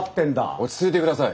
落ち着いて下さい。